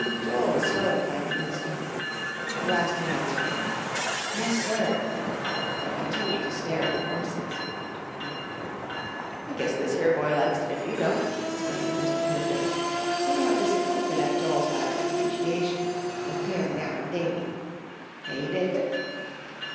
Joel was slow in finding his tongue. At last he answered, "Yes, sir," but continued to stare at the horses. "I guess this ere boy likes it, if you don't," exclaimed Mr. Tisbett, somewhat disappointed at Joel's lack of appreciation, and peering down at Davie. "Eh, David?"